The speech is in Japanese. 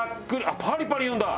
あっパリパリいうんだ！